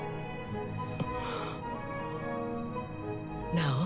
直。